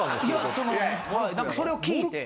そのそれを聞いて。